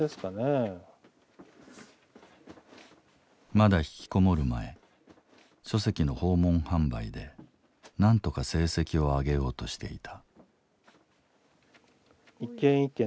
まだひきこもる前書籍の訪問販売でなんとか成績を上げようとしていた。